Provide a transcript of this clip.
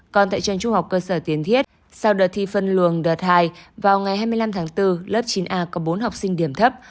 còn tại trường trung học cơ sở tiến thiết sau đợt thi phân luồng đợt hai vào ngày hai mươi năm tháng bốn lớp chín a có bốn học sinh điểm thấp